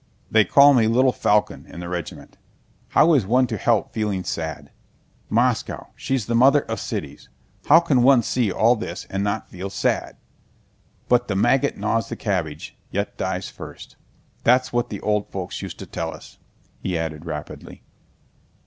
"They call me 'little falcon' in the regiment. How is one to help feeling sad? Moscow—she's the mother of cities. How can one see all this and not feel sad? But 'the maggot gnaws the cabbage, yet dies first'; that's what the old folks used to tell us," he added rapidly.